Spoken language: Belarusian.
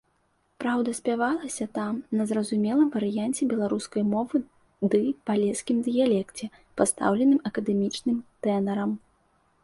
Праўда, спявалася там на зразумелым варыянце беларускай мовы ды палескім дыялекце пастаўленым акадэмічным тэнарам.